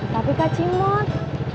tapi kak cimut